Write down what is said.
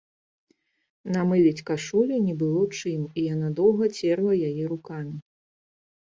Намыліць кашулю не было чым, і яна доўга церла яе рукамі.